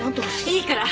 いいから。